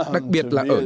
đặc biệt là ở nước mỹ